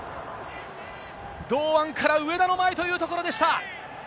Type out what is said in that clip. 堂安から上田の前というところでした。